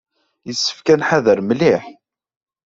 Yessefk ad nḥader mliḥ.